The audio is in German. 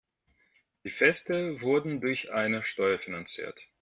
Die Feste wurden durch eine Steuer finanziert.